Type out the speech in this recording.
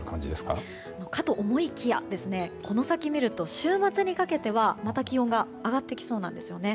かと思いきやこの先見ると週末にかけては、また気温上がってきそうなんです。